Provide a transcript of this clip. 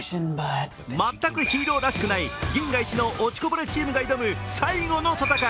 全くヒーローらしくない銀河イチの落ちこぼれチームが挑む最後の戦い。